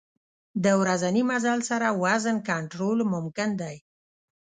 د ورځني مزل سره وزن کنټرول ممکن دی.